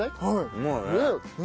うまい。